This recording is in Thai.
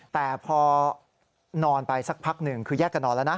แต่พอนอนไปสักพักหนึ่งคือแยกกันนอนแล้วนะ